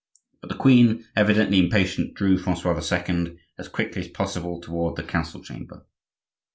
But the queen, evidently impatient, drew Francois II. as quickly as possible toward the Council chamber.